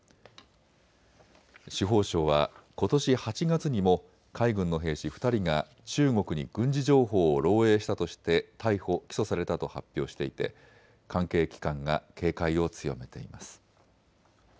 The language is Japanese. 司法省はことし８月にも海軍の兵士２人が中国に軍事情報を漏えいしたとして逮捕・起訴されたと発表していて関係機関が警戒を強めています。